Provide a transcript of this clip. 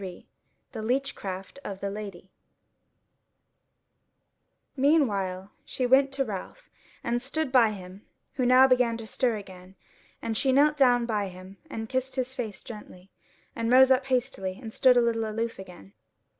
CHAPTER 23 The Leechcraft of the Lady Meanwhile she went to Ralph and stood by him, who now began to stir again; and she knelt down by him and kissed his face gently, and rose up hastily and stood a little aloof again.